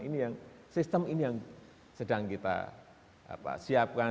ini yang sistem ini yang sedang kita siapkan